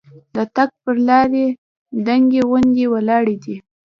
د تګ پر لارې دنګې غونډۍ ولاړې دي.